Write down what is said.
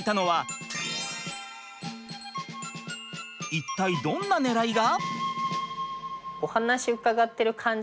一体どんなねらいが？